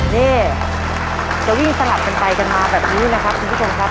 นี่จะวิ่งสลับกันไปกันมาแบบนี้นะครับคุณผู้ชมครับ